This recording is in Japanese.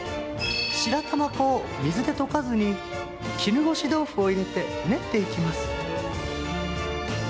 白玉粉を水で溶かずに絹ごし豆腐を入れて練っていきます。